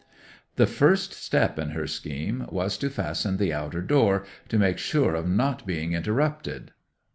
'The first step in her scheme was to fasten the outer door, to make sure of not being interrupted.